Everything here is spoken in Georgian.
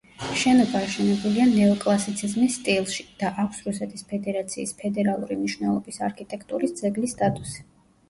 შენობა აშენებულია ნეოკლასიციზმის სტილში და აქვს რუსეთის ფედერაციის ფედერალური მნიშვნელობის არქიტექტურის ძეგლის სტატუსი.